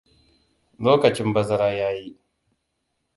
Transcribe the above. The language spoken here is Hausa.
Lokacin bazara ya yi.